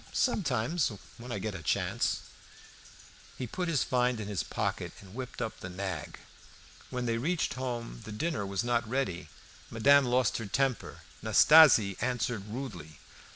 "Sometimes, when I get a chance." He put his find in his pocket and whipped up the nag. When they reached home the dinner was not ready. Madame lost her temper. Nastasie answered rudely.